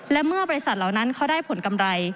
และเมื่อบริษัทเหล่านั้นเขาได้ผลกำไร